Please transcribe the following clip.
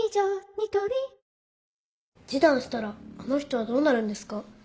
ニトリ示談したらあの人はどうなるんですか？